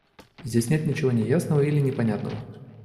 Здесь нет ничего неясного или непонятного.